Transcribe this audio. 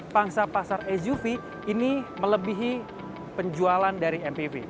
pangsa pasar suv ini melebihi penjualan dari mpv